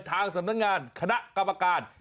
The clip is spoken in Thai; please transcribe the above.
ทางสำนักงานคณะกรรมการ